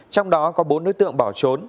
trong đó có bốn đối tượng bỏ trốn